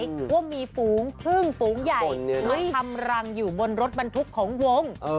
ว่ามีฝูงพึ่งฝูงใหญ่มาทำรังอยู่บนรถบรรทุกของวง